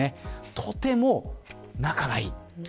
とても仲がいい。